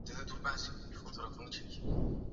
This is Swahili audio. Wamerakani ndio wengi hupenda mchezo wa kikapu